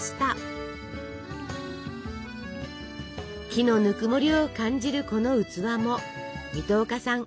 木のぬくもりを感じるこの器も水戸岡さん